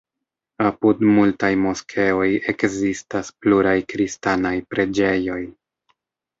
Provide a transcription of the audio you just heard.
Apud multaj moskeoj ekzistas pluraj kristanaj preĝejoj.